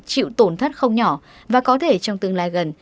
chịu tổn thất không nhỏ và có thể trong tương lai gần